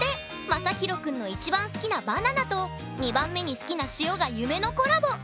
まさひろくんの１番好きなバナナと２番目に好きな塩が夢のコラボ！